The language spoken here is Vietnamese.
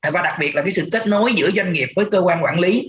và đặc biệt là sự kết nối giữa doanh nghiệp với cơ quan quản lý